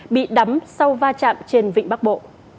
bị đắm sau vai trạm trên vịnh bắc bộ